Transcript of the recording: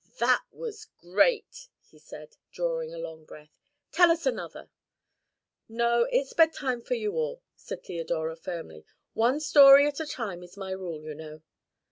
"That was great," he said, drawing a long breath. "Tell us another." "No, it's bedtime for you all," said Theodora firmly. "One story at a time is my rule, you know."